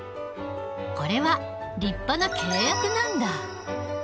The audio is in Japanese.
これは立派な契約なんだ。